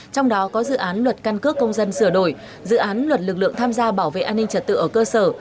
trong đó có dự án luật căn cước công dân sửa đổi dự án luật lực lượng tham gia bảo vệ an ninh trật tự ở cơ sở